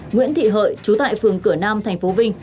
nguyễn thị hợi chú tại phường cửa nam tp vinh